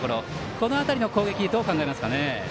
この辺りの攻撃、どう考えますか。